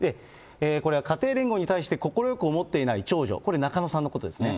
これは家庭連合に対して、快く思っていない長女、これ中野さんのことですね。